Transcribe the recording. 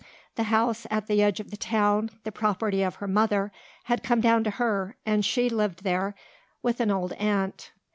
The house at the edge of the town, the property of her mother, had come down to her and she lived there with an old aunt.